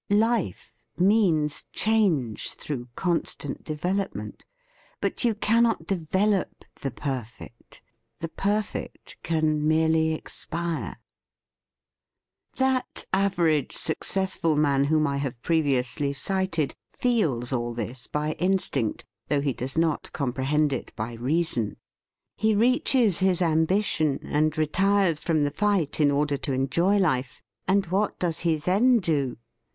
Life means change through constant development. But you cannot develop the perfect. The perfect can merely expire. [Ill] THE FEAST OF ST FRIEND That average successful man whom I have previously cited feels all this by instinct, though he does not compre hend it by reason. He reaches his am bition, and retires from the fight in or der to enjoy life, — and what does he then do?